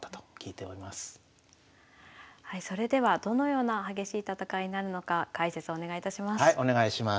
はいそれではどのような激しい戦いになるのか解説お願いいたします。